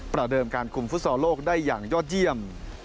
เดิมการคุมฟุตซอลโลกได้อย่างยอดเยี่ยม